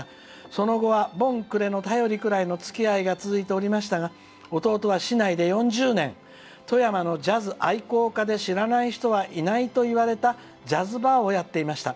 その後は盆暮れの便りくらいのつきあいが続いておりましたが弟は富山のジャズ愛好家で知らない人はいないといわれたジャズバーをやっていました。